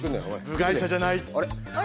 部外者じゃない。